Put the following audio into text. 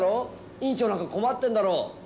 院長なんか困ってるだろ。